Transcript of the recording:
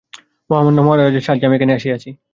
মহামান্য মহারাজের সাহায্যে আমি এখানে আসিয়াছি।